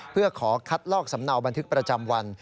เพื่อขอคัดลอกสำเนาบันทึกประจำวัน